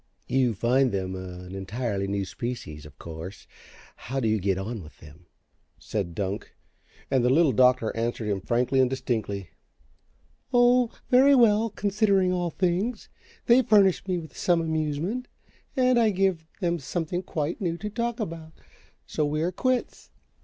"You find them an entirely new species, of course. How do you get on with them?" said Dunk. And the Little Doctor answered him frankly and distinctly: "Oh, very well, considering all things. They furnish me with some amusement, and I give them something quite new to talk about, so we are quits.